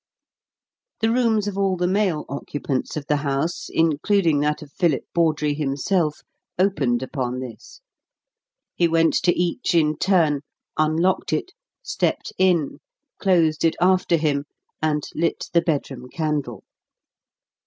The rooms of all the male occupants of the house, including that of Philip Bawdrey himself, opened upon this. He went to each in turn, unlocked it, stepped in, closed it after him, and lit the bedroom candle.